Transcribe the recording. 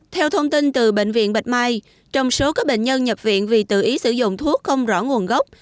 theo thông tin từ bệnh viện bạch mai trong số các bệnh nhân nhập viện vì tự ý sử dụng thuốc không rõ nguồn gốc